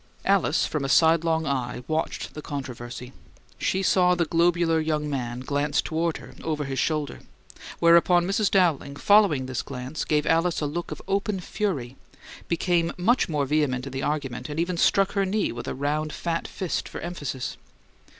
Alice from a sidelong eye watched the controversy: she saw the globular young man glance toward her, over his shoulder; whereupon Mrs. Dowling, following this glance, gave Alice a look of open fury, became much more vehement in the argument, and even struck her knee with a round, fat fist for emphasis.